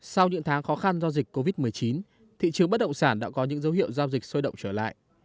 sau những tháng khó khăn do dịch covid một mươi chín thị trường bất động sản đã có những dấu hiệu giao dịch sôi động trở lại